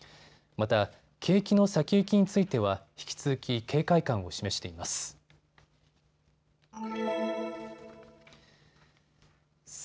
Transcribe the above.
また、景気の先行きについては引き続き、警戒感を示しています。